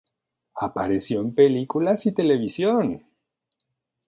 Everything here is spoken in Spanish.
Apareció en películas y televisión.